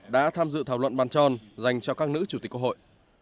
đã tham dự thảo luận bàn tròn dành cho các nữ chủ tịch quốc hội